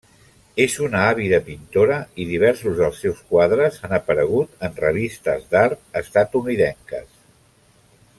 És una àvida pintora i diversos dels seus quadres han aparegut en revistes d'art estatunidenques.